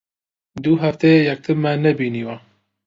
دوو هەفتەیە یەکترمان نەبینیوە.